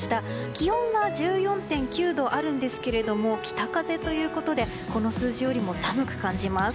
気温は１４．９度あるんですけど北風ということでこの数字よりも寒く感じます。